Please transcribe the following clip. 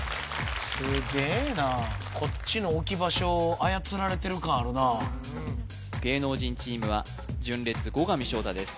すげえなこっちの置き場所を操られてる感あるな芸能人チームは純烈後上翔太です